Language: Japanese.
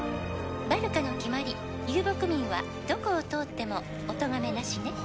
「バルカの決まり」「遊牧民はどこを通ってもおとがめなしね」